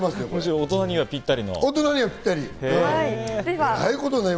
大人にぴったり。